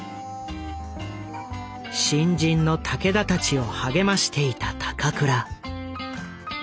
新人の武田たちを励ましていた高倉。